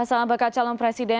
assalamualaikum wr wb